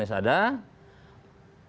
tapi tidak ada soal